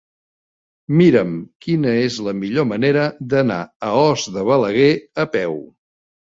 Mira'm quina és la millor manera d'anar a Os de Balaguer a peu.